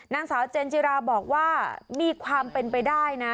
นางสาวเจนจิราบอกว่ามีความเป็นไปได้นะ